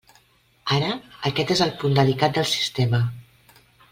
Ara, aquest és el punt delicat del sistema.